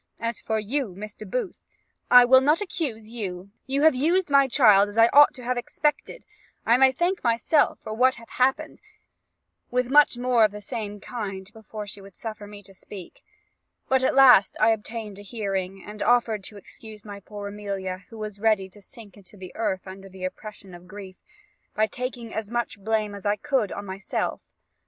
As for you, Mr. Booth, I will not accuse you; you have used my child as I ought to have expected; I may thank myself for what hath happened;' with much more of the same kind, before she would suffer me to speak; but at last I obtained a hearing, and offered to excuse my poor Amelia, who was ready to sink into the earth under the oppression of grief, by taking as much blame as I could on myself.